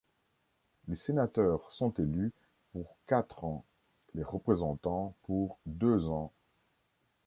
Les sénateurs sont élus pour quatre ans, les représentants pour deux ans.